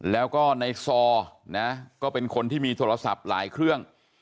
แล้วก็ในซอนะก็เป็นคนที่มีโทรศัพท์หลายเครื่อง